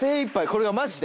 これはマジで。